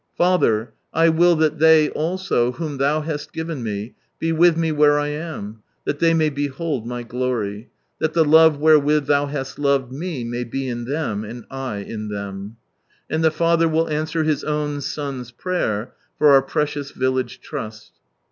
... Father, I will that they also, whom Thou hast given Me, be with Me where I am ; that they may behold My glory. .,. That the love wherewith Thou hast loved Me may be in them, and 1 in them," And the Father will answer His own Son's prayer, for our precious village trust.